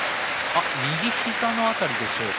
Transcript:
右膝の辺りでしょうか